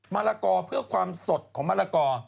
มะละกอเพื่อความสดของมะละกอ